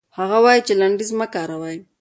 هغه وايي چې لنډيز مه کاروئ.